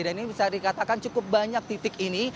dan ini bisa dikatakan cukup banyak titik ini